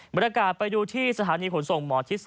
บรรยากาศไปดูที่สถานีขนส่งหมอที่๒